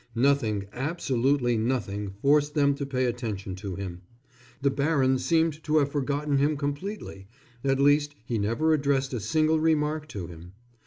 Nothing, absolutely nothing forced them to pay attention to him. The baron seemed to have forgotten him completely, at least he never addressed a single remark to him.